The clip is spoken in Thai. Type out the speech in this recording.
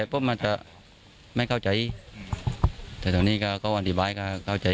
มันจะไม่เข้าใจแต่ตรงนี้ก็เขาอธิบายก็เข้าใจ